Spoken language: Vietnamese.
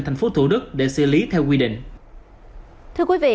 thành phố thủ đức để xử lý theo quy định